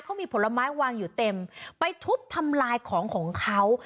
เขามีผลไม้วางอยู่เต็มไปทุบทำลายของของเขา